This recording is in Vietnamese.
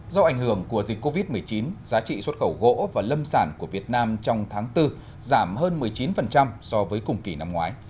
do ảnh hưởng của dịch covid một mươi chín giá trị xuất khẩu gỗ và lâm sản của việt nam trong tháng bốn giảm hơn một mươi chín so với cùng kỳ năm ngoái